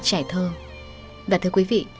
trẻ thơ và thưa quý vị